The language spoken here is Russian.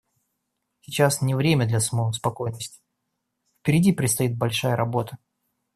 Сейчас не время для самоуспокоенности; впереди предстоит большая работа.